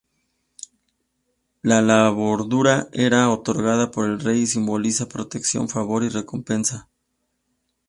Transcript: La bordura era otorgada por el rey y simboliza protección, favor y recompensa.